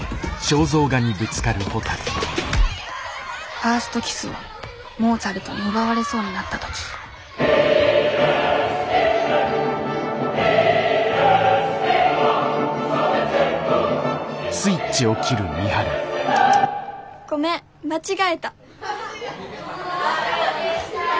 ファーストキスをモーツァルトに奪われそうになった時ごめん間違えた。